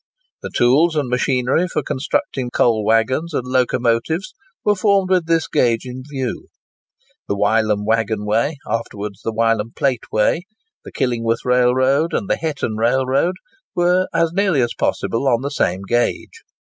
The tools and machinery for constructing coal waggons and locomotives were formed with this gauge in view. The Wylam waggon way, afterwards the Wylam plate way, the Killingworth railroad, and the Hetton rail road, were as nearly as possible on the same gauge.